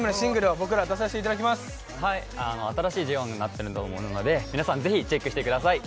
はい新しいＪＯ１になってると思うので皆さんぜひチェックしてください